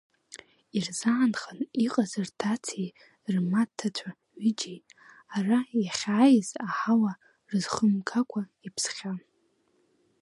Ирзаанхан иҟаз рҭацеи рмаҭацәа ҩыџьеи, ара иахьааиз аҳауа рызхымгакуа иԥсхьан.